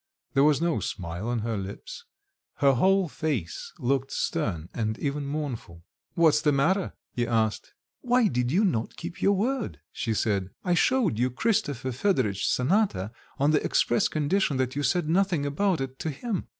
There was no smile on her lips, her whole face looked stern and even mournful. "What's the matter?" he asked. "Why did you not keep your word?" she said. "I showed you Christopher Fedoritch's cantata on the express condition that you said nothing about it to him?"